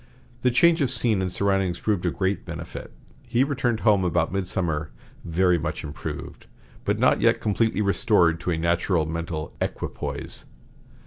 The change of scene and surroundings proved of great benefit. He returned home about midsummer very much improved, but not yet completely restored to a natural mental equipoise.